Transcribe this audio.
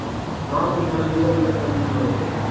وہاں کچھ مزدور ابھی تک موجود ہوتے